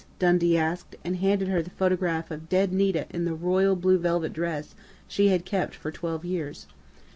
Dundee asked, and handed her the photograph of dead Nita in the royal blue velvet dress she had kept for twelve years.